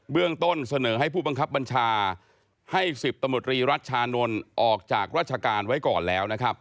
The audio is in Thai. เรื่องต้นเสนอให้ผู้บังคับบัญชาให้๑๐ตำรวจรีรัชชานนท์ออกจากราชการไว้ก่อนแล้วนะครับ